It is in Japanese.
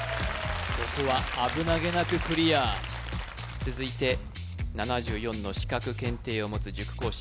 ここは危なげなくクリア続いて７４の資格・検定を持つ塾講師